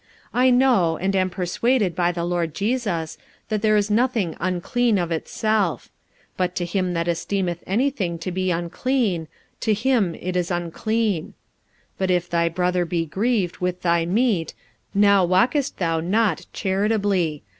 45:014:014 I know, and am persuaded by the Lord Jesus, that there is nothing unclean of itself: but to him that esteemeth any thing to be unclean, to him it is unclean. 45:014:015 But if thy brother be grieved with thy meat, now walkest thou not charitably.